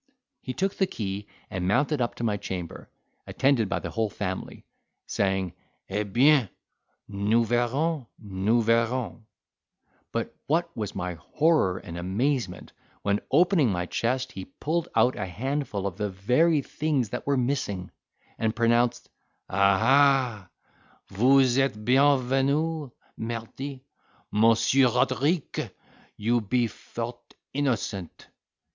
He took the key and mounted up to my chamber, attended by the whole family, saying, "Eh bien, nous verrons—nous verrons." But what was my horror and amazement, when, opening my chest, he pulled out a handful of the very things that were missing, and pronounced, "Ah, ha, vous etes bienvenu—mardy, Mons. Roderique, you be fort innocent!"